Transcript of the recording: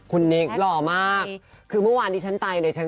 คุณนิกหล่อมากคือเมื่อวานใดฉันตาย